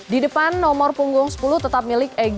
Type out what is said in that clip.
di depan nomor punggung sepuluh tetap milik egy